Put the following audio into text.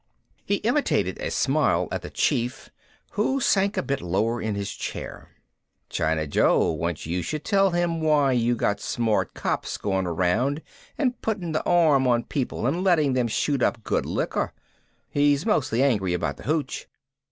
He imitated a smile at the Chief who sank a bit lower in his chair. "China Joe wants you should tell him why you got smart cops going around and putting the arm on people and letting them shoot up good liquor. He's mostly angry about the hooch.